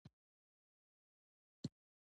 د الهي حاکمیت تجسم دی.